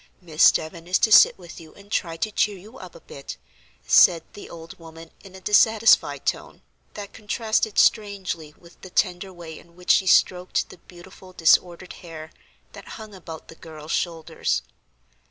Miss Devon is to sit with you and try to cheer you up a bit," said the old woman in a dissatisfied tone, that contrasted strangely with the tender way in which she stroked the beautiful disordered hair that hung about the girl's shoulders.